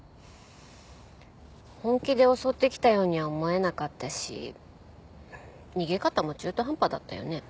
本気で襲ってきたようには思えなかったし逃げ方も中途半端だったよね。